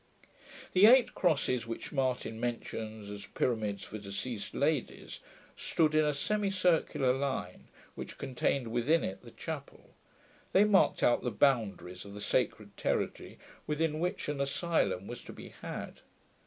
The eight crosses, which Martin mentions as pyramids for deceased ladies, stood in a semicircular line, which contained within it the chapel. They marked out the boundaries of the sacred territory within which an asylum was to be had.